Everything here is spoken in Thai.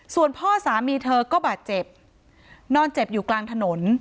ส่วนพ่อสามีเธอก็บาดเจ็บนอนเจ็บอยู่กลางถนน